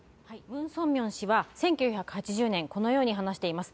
ムン・ソンミョン氏は１９８０年、このように話しています。